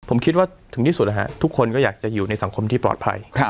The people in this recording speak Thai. ผมคิดว่าถึงที่สุดนะฮะทุกคนก็อยากจะอยู่ในสังคมที่ปลอดภัย